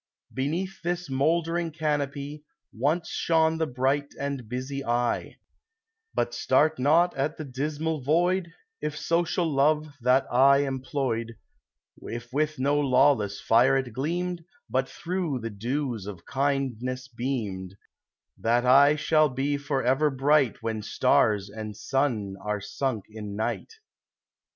Beneath this moldering canopy Once shone the bright and busy eye : But start not at the dismal void, — If social love that eye employed, If with no lawless fire it gleamed, But through the dews of kindness beamed, That eye shall be forever bright When stars and sun are sunk in night.